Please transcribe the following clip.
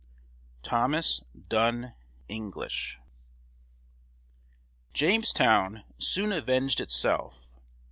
THOMAS DUNN ENGLISH. Jamestown soon avenged itself.